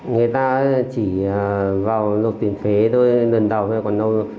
người ta chỉ vào lột tiền phế thôi lần đầu thôi còn đâu